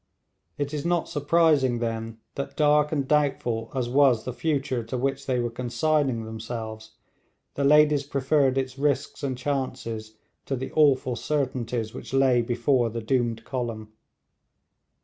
It is not surprising, then, that dark and doubtful as was the future to which they were consigning themselves, the ladies preferred its risks and chances to the awful certainties which lay before the doomed column.